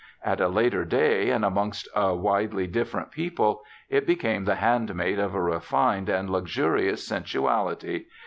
At a later day, and amongst a widely different people, it became the handmaid of a refined and luxu rious sensuality.